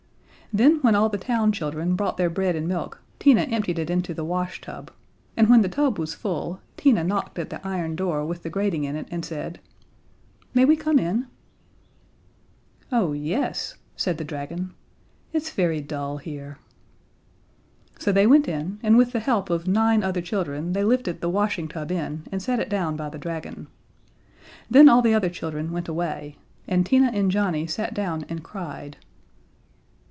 Then, when all the town children brought their bread and milk, Tina emptied it into the wash tub, and when the tub was full Tina knocked at the iron door with the grating in it and said: "May we come in?" "Oh, yes," said the dragon, "it's very dull here." So they went in, and with the help of nine other children they lifted the washing tub in and set it down by the dragon. Then all the other children went away, and Tina and Johnnie sat down and cried.